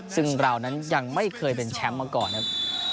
ซึ่งเรานั้นยังไม่เคยเป็นแชมป์มาก่อนครับ